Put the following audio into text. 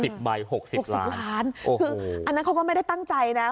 ๑๐ใบ๖๐ล้านอันนั้นเขาก็ไม่ได้ตั้งใจนะ